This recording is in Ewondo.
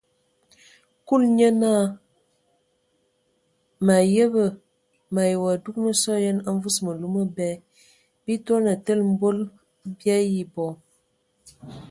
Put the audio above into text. Kulu nye naa : mǝ ayəbǝ! mǝ ayi wa dugan sɔ yen a mvus mǝlu mǝbɛ, bii toane tele mbol bii ayi bɔ.